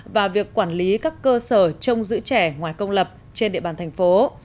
và việc quản lý các cơ sở trong giữ trẻ ngoài công lập trên địa bàn thành phố